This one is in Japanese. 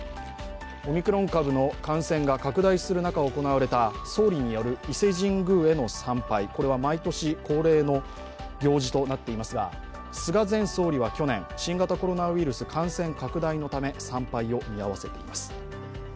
オミクロン株の感染が拡大する中、行われた総理による伊勢神宮への参拝、これは毎年恒例の行事となっていますが菅前総理は去年、新型コロナウイルス感染拡大のため参拝を見合わせています。